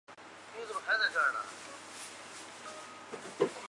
要毫不放松抓紧抓实抓细各项防控工作